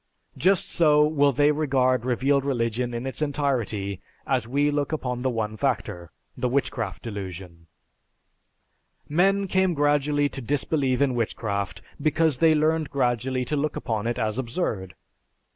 Just so will they regard revealed religion in its entirety as we look upon the one factor, the Witchcraft Delusion. Men came gradually to disbelieve in witchcraft because they learned gradually to look upon it as absurd.